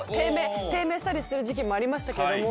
低迷したりする時期もありましたけども。